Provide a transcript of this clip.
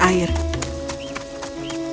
dia bergerak ke atas air